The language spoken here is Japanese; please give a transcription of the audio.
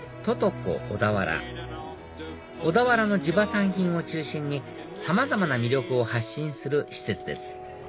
小田原小田原の地場産品を中心にさまざまな魅力を発信する施設です